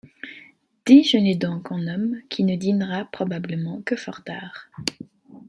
Déjeunez donc en homme qui ne dînera probablement que fort tard.